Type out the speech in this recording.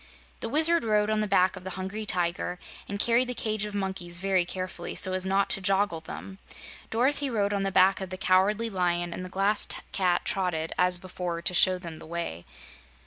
The Wizard rode on the back of the Hungry Tiger and carried the cage of monkeys very carefully, so as not to joggle them. Dorothy rode on the back of the Cowardly Lion, and the Glass Cat trotted, as before, to show them the way.